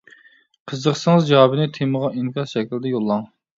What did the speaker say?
قىزىقسىڭىز جاۋابىنى تېمىغا ئىنكاس شەكىلدە يوللاڭ.